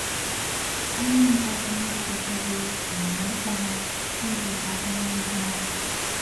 onye nyekwazịrị ndị kacha bụrụ okenye na mpaghara ógbè atọ ahụ ji ahụ